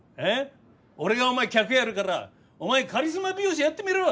俺が客やるからお前カリスマ美容師やってみろ！